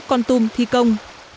con tôm thi công